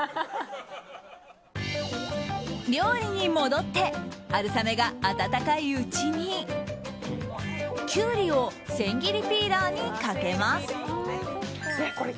料理に戻って春雨が温かいうちにキュウリを千切りピーラーにかけます。